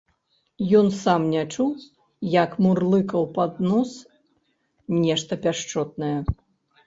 Ён сам не чуў, як мурлыкаў пад нос нешта пяшчотнае.